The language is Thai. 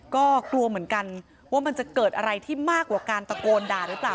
ก็กลัวเหมือนกันว่ามันจะเกิดอะไรที่มากกว่าการตะโกนด่าหรือเปล่า